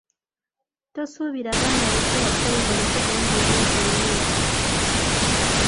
Tosuubira baana bato ba ppulayimale kuddamu kibuuzo ng’ekyo.